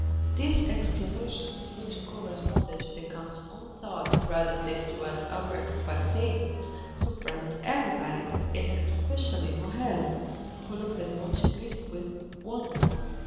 This exclamation, which corresponded to the count's own thought rather than to what Albert was saying, surprised everybody, and especially Morrel, who looked at Monte Cristo with wonder.